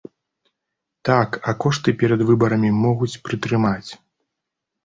Так, а кошты перад выбарамі могуць прытрымаць.